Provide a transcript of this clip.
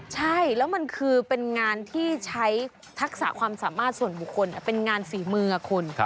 ใช่แล้วมันคือเป็นงานที่ใช้ทักษะความสามารถส่วนบุคคลเป็นงานฝีมือคุณ